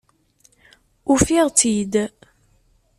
Ufiɣ-tt-id.